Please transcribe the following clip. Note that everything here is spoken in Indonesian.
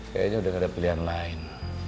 kayaknya udah gak ada pilihan lain